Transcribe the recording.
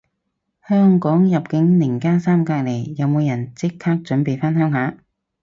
香港入境零加三隔離，有冇人即刻準備返鄉下